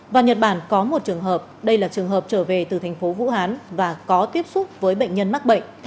và nhật bản có một trường hợp đây là trường hợp trở về từ thành phố vũ hán và có tiếp xúc với bệnh nhân mắc bệnh